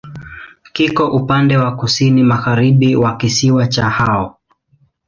Kiko upande wa kusini-magharibi wa kisiwa cha Hao.